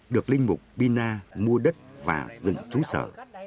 được linh mục pina mua đất và dựng trú sở